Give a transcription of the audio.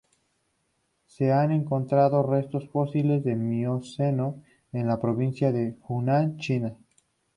Se han encontrado restos fósiles del Mioceno en la provincia de Hunan, China.